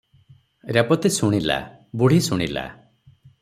ରେବତୀ ଶୁଣିଲା, ବୁଢ଼ୀ ଶୁଣିଲା ।